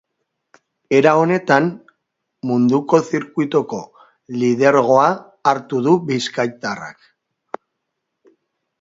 Era honetan, munduko zirkuituko lidergoa hartu du bizkaitarrak.